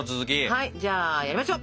はいじゃあやりましょう。